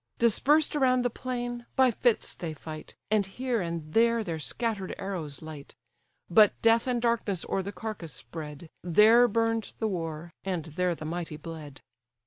Dispersed around the plain, by fits they fight, And here and there their scatter'd arrows light: But death and darkness o'er the carcase spread, There burn'd the war, and there the mighty bled.